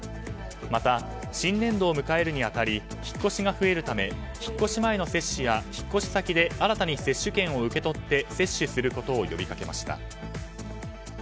また、新年度を迎えるにあたり引っ越しが増えるため引っ越し前の接種や引っ越し先で新たに接種券を受け取って接種することを呼びかけました。